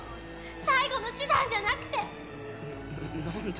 最後の手段じゃなくて何で？